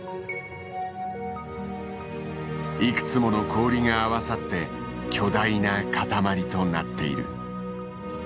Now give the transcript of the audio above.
いくつもの氷が合わさって巨大な塊となっている。